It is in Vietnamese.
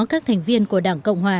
các thành viên của đảng cộng hòa